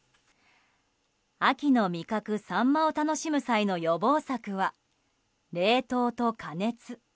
秋の味覚サンマを楽しむ際の予防策は冷凍と加熱。